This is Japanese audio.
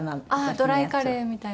ドライカレーみたいな。